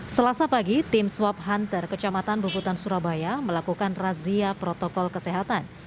selasa pagi tim swab hunter kecamatan bubutan surabaya melakukan razia protokol kesehatan